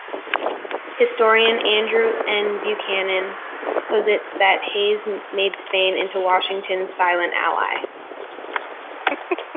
Historian Andrew N. Buchanan posits that Hayes made Spain into Washington's 'silent ally.